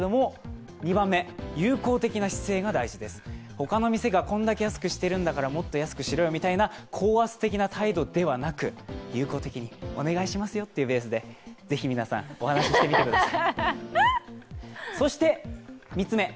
他の店がこんだけ安くしてるんだからもっと安くしろよと高圧的な態度ではなく友好的に、お願いしますよというベースで是非お話してみてください。